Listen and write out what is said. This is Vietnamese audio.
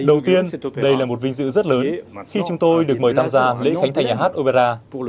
đầu tiên đây là một vinh dự rất lớn khi chúng tôi được mời tham gia lễ khánh thành nhà hát opera vụ